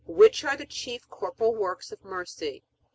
Which are the chief corporal works of mercy?